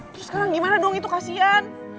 terus sekarang gimana dong itu kasihan